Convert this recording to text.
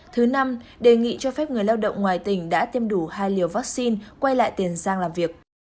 thứ năm đề nghị cho phép người lao động ngoài tỉnh đã tiêm đủ hai liều vaccine quay lại tiền giang làm việc